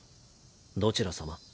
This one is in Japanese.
どちら様？